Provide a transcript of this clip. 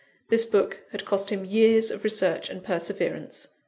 This book had cost him years of research and perseverance.